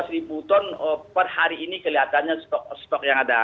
rp lima belas per hari ini kelihatannya stok yang ada